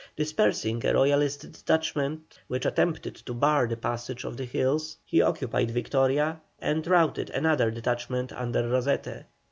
Dispersing a Royalist detachment which attempted to bar the passage of the hills, he occupied Victoria and routed another detachment under Rosete.